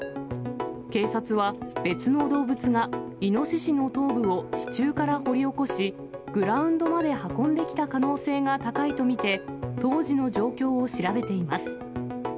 警察は、別の動物がイノシシの頭部を地中から掘り起こし、グラウンドまで運んできた可能性が高いと見て、当時の状況を調べています。